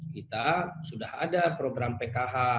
kita sudah ada program pkh